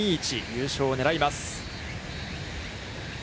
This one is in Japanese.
優勝を狙います。